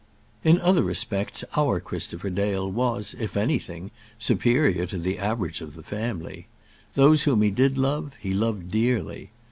In other respects our Christopher Dale was, if anything, superior to the average of the family. Those whom he did love he loved dearly.